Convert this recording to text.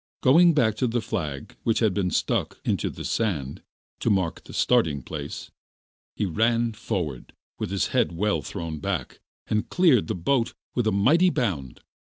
Going back to the flag which had been stuck into the sand to mark the starting place, he ran forward, with his head well thrown back, and cleared the boat with a mighty bound.